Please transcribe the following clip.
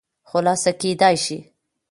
خلاصه کېداى شي